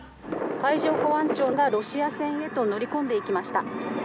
海上保安庁が、ロシア船へと乗り込んで行きました。